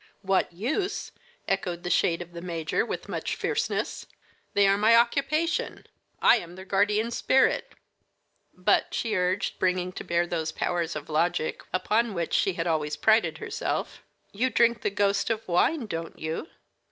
"What use?" echoed the shade of the major, with much fierceness. "They are my occupation. I am their guardian spirit." "But," she urged, bringing to bear those powers of logic upon which she always had prided herself, "you drink the ghost of wine, don't you?"